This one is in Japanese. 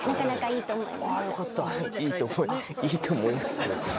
いいと思います。